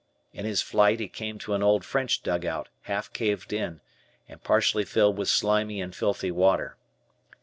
In his flight, he came to an old French dugout, half caved in, and partially filled with slimy and filthy water.